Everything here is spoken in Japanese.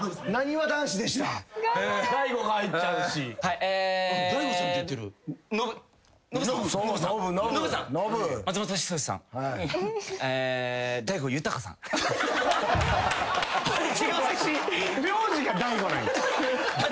わし名字が大悟なんや？